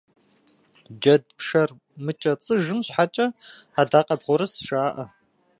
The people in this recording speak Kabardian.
Джэд пшэр мыкӏэцыжым щхьэкӏэ адакъэбгъурыс жаӏэ.